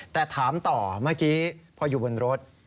แต่ถามต่อเมื่อกี้พออยู่บนรถ